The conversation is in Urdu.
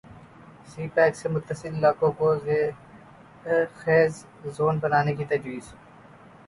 سی پیک سے متصل علاقوں کو ذرخیز زون بنانے کی تجویز